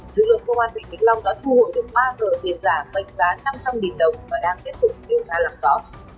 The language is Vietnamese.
thứ lượng công an tỉnh vĩnh long đã thu hồi được ba cửa tiền giả bạch giá năm trăm linh đồng và đang tiếp tục nghiên cứu trả lầm gió